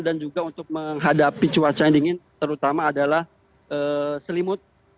juga untuk menghadapi cuaca yang dingin terutama adalah selimut